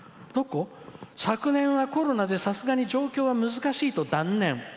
昨年はコロナでさすがに状況は難しいと断念。